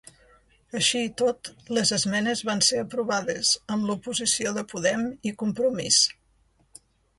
Així i tot, les esmenes van ser aprovades, amb l'oposició de Podem i Compromís.